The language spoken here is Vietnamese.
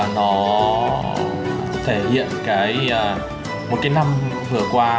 nó thể hiện một cái năm vừa qua